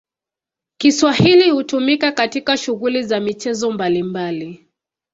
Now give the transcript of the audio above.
Kiswahili hutumika katika shughuli za michezo mbalimbali.